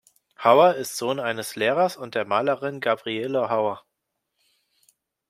Hauer ist der Sohn eines Lehrers und der Malerin Gabriele Hauer.